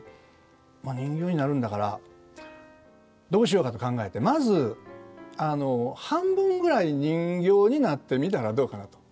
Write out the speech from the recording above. まあ人形になるんだからどうしようかと考えてまず半分ぐらい人形になってみたらどうかなと。